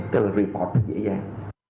cái là report thì dễ dàng